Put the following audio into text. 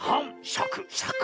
シャクシャク。